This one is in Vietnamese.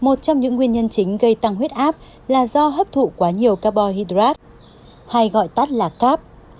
một trong những nguyên nhân chính gây tăng huyết áp là do hấp thụ quá nhiều carbohydrates hay gọi tắt là carb